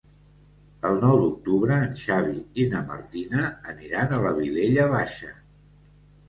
El nou d'octubre en Xavi i na Martina aniran a la Vilella Baixa.